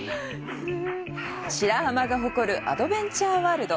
白浜が誇る、アドベンチャーワールド！